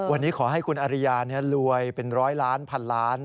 วันนี้ขอให้คุณอริยารวยเป็นร้อยล้านพันล้าน